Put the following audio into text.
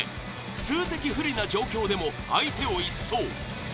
数的不利な状況でも相手を一掃。